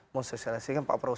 men sosialisasikan pak prabowo